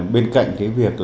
bên cạnh việc